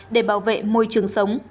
để bảo vệ môi trường sống